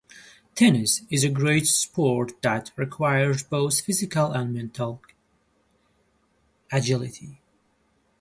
Tennis is a great sport that requires both physical and mental agility.